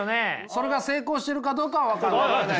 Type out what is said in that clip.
それが成功してるかどうかは分からない。